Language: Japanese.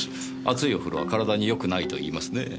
熱いお風呂は体によくないといいますねぇ。